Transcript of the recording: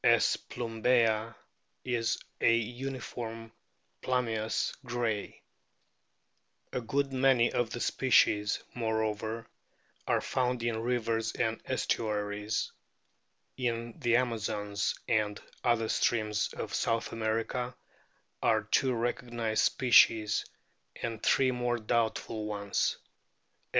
S. plumbea is a uniform plumbeous grey. A good many of the species, moreover, are found in rivers and estuaries. In the Amazons and other streams of South America are two recognised o species, and three more doubtful ones.